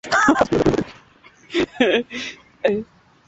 Mnyama kutokwa na ute mrefu mdomoni